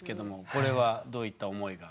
これはどういった思いが？